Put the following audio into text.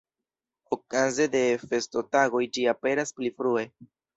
Okaze de festotagoj ĝi aperas pli frue.